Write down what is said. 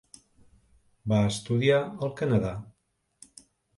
Va estudiar al Canadà.